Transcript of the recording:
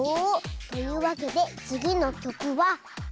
というわけでつぎのきょくは「さあ！」。